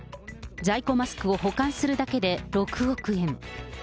在庫マスクを保管するだけで６億円。